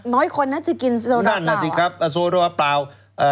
น้อยคนน่าจะกินโซดาเปล่านั่นน่ะสิครับโซดาเปล่าเอ่อ